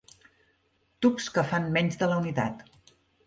Tubs que fan menys de la unitat.